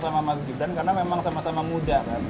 sama mas gibran karena memang sama sama muda kan